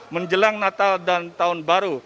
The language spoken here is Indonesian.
menjelang natal dan tahun baru